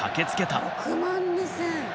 ６万２，０００！